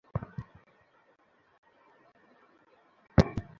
তবে সাজাপ্রাপ্ত দুই আসামি দেশের বাইরে থাকায় সাজা ভোগ করতে হয়নি।